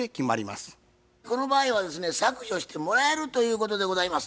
この場合はですね削除してもらえるということでございます。